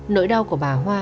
nỗi đau của bà hoa